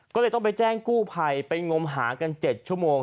ก็เลยต้องไปแจ้งกู้ภัยไปงมหากัน๗ชั่วโมง